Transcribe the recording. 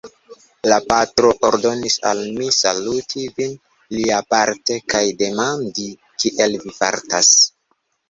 La patro ordonis al mi saluti vin liaparte kaj demandi, kiel vi fartas.